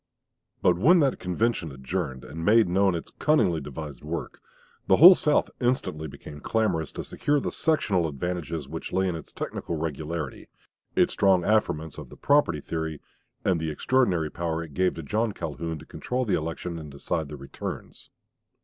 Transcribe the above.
But when that convention adjourned, and made known its cunningly devised work, the whole South instantly became clamorous to secure the sectional advantages which lay in its technical regularity, its strong affirmance of the "property" theory, and the extraordinary power it gave to John Calhoun to control the election and decide the returns.